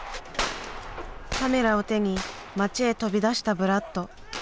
カメラを手に町へ飛び出したブラッド。